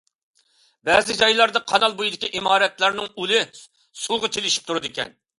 بەزى جايلاردا قانال بويىدىكى ئىمارەتلەرنىڭ ئۇلى سۇغا چىلىشىپ تۇرىدىكەن.